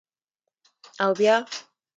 _اوبيا؟